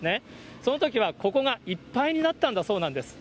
そのときはここがいっぱいになったんだそうなんです。